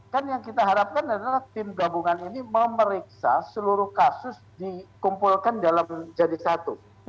kan yang kita harapkan adalah tim gabungan ini memeriksa seluruh kasus dikumpulkan dalam jadi satu